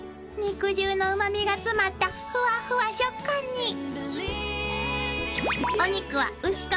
［肉汁のうまみが詰まったふわふわ食感に］